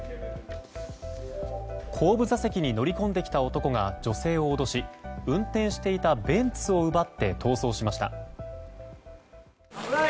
後部座席に乗り込んできた男が女性を脅し運転していたベンツを奪って逃走しました。